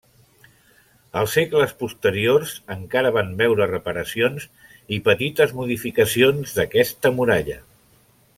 Els segles posteriors encara van veure reparacions i petites modificacions, d'aquesta muralla.